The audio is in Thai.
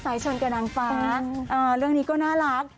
ชนกับนางฟ้าเรื่องนี้ก็น่ารัก